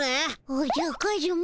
おじゃカズマ。